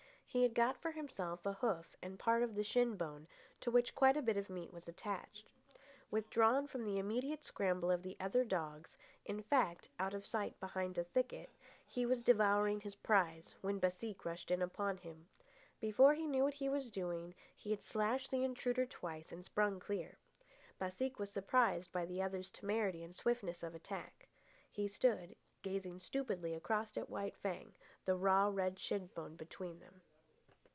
He had got for himself a hoof and part of the shin bone, to which quite a bit of meat was attached. Withdrawn from the immediate scramble of the other dogs—in fact out of sight behind a thicket—he was devouring his prize, when Baseek rushed in upon him. Before he knew what he was doing, he had slashed the intruder twice and sprung clear. Baseek was surprised by the other's temerity and swiftness of attack. He stood, gazing stupidly across at White Fang, the raw, red shin bone between them.